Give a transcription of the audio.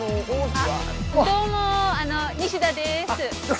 どうも西田です。